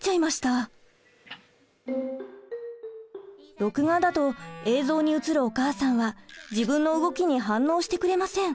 録画だと映像に映るお母さんは自分の動きに反応してくれません。